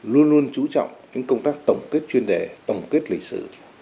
luôn luôn chú trọng công tác tổng kết chuyên đề tổng kết lịch sử